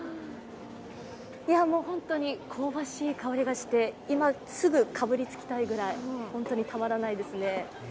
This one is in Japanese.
本当に香ばしい香りがして今すぐかぶりつきたいくらい本当にたまらないですね。